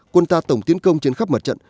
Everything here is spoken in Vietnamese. quân ta tổng tiến công trên khắp mặt trận